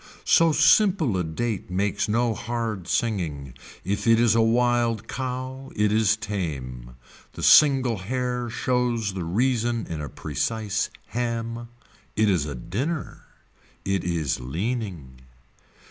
So simple a date makes no hard singing. If it is a wild cow it is tame. The single hair shows the reason in a precise ham. It is a dinner. It is leaning.